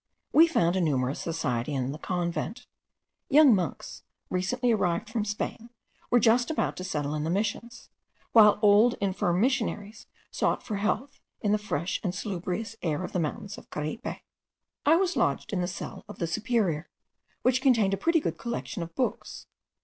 We found a numerous society in the convent. Young monks, recently arrived from Spain, were just about to settle in the Missions, while old infirm missionaries sought for health in the fresh and salubrious air of the mountains of Caripe. I was lodged in the cell of the superior, which contained a pretty good collection of books.